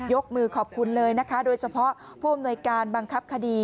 มือขอบคุณเลยนะคะโดยเฉพาะผู้อำนวยการบังคับคดี